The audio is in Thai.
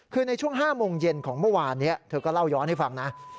คือในช่วง๕โมงเย็นของเมื่อวานนี้เธอก็เล่าย้อนให้ฟังนะ